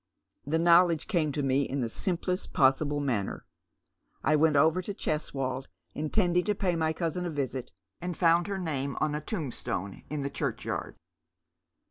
" The knowledge came to me in the simplest possible manner. I went over to Cheswold intending to pay my cousin a visit, and found her name on a tomlistone in the churchyard."